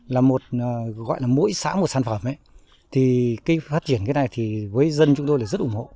là một gọi là mỗi xã một sản phẩm thì cái phát triển cái này thì với dân chúng tôi là rất ủng hộ